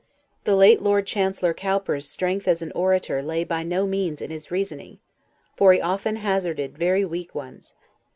The late Lord Chancellor Cowper's strength as an orator lay by no means in his reasonings, for he often hazarded very weak ones.